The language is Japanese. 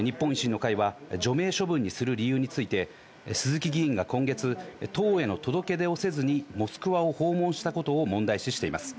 日本維新の会は、除名処分にする理由について、鈴木議員が今月、党への届け出をせずに、モスクワを訪問したことを問題視しています。